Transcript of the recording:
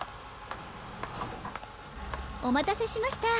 おまたせしました。